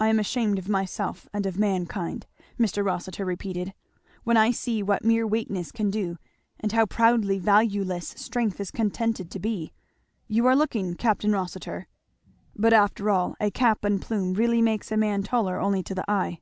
"I am ashamed of myself and of mankind," Mr. Rossitur repeated, "when I see what mere weakness can do, and how proudly valueless strength is contended to be. You are looking, Capt. Rossitur, but after all a cap and plume really makes a man taller only to the eye."